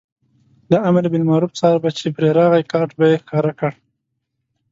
د امربالمعروف څار به چې پرې راغی کارټ به یې ښکاره کړ.